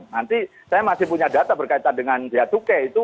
nanti saya masih punya data berkaitan dengan biaya cukai itu